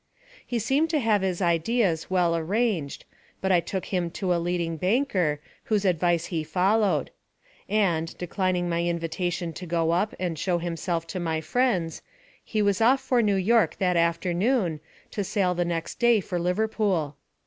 He seemed to have his ideas well arranged, but I took him to a leading banker, whose advice he followed; and, declining my invitation to go up and show himself to my friends, he was off for New York that afternoon, to sail the next day for Liverpool.